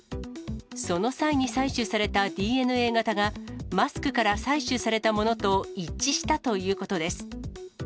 その際に採取されたＤＮＡ型が、マスクから採取されたものと一致したということです。